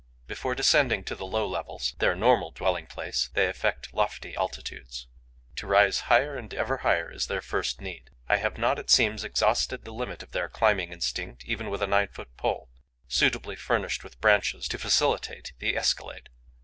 Before descending to the low levels, their normal dwelling place, they affect lofty altitudes. To rise higher and ever higher is their first need. I have not, it seems, exhausted the limit of their climbing instinct even with a nine foot pole, suitably furnished with branches to facilitate the escalade.